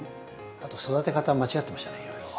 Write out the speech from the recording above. あと育て方間違ってましたねいろいろ。